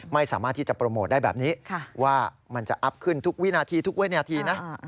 ไม่สามารถที่จะโปรโมทได้แบบนี้ว่ามันจะอัพขึ้นทุกวินาทีทุกวินาทีนะ